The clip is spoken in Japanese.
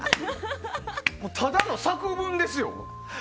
ただの作文ですよ。